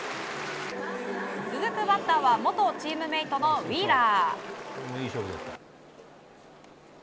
続くバッターは元チームメートのウィーラー。